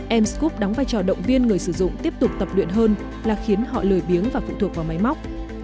em scrub đóng vai trò động viên người sử dụng tiếp tục tập luyện hơn là khiến họ lời biếng và phụ thuộc vào máy móc